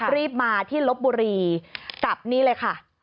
รีบมาที่ลบบุรีกับนี่เลยค่ะ